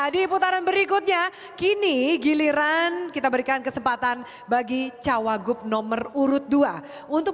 di putaran berikutnya kini giliran kita berikan kesempatan bagi cawagup nomor urut dua untuk